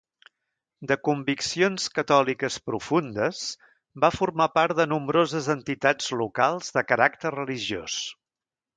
De conviccions catòliques profundes, va formar part de nombroses entitats locals de caràcter religiós.